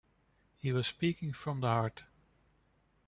He was speaking from the heart.